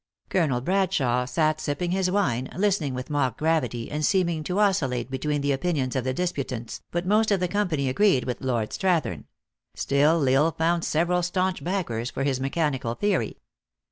Colonel Brad shawe sat sipping his wine, listening with mock grav ity and seeming to oscillate between the opinions of the disputants, but most of the company agreed with Lord Strathern ; still L Isle found several staunch backers for his mechanical theory.